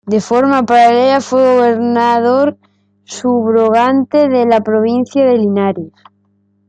De forma paralela fue gobernador subrogante de la Provincia de Linares.